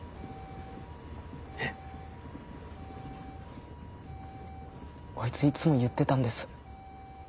えっ？こいついつも言ってたんです。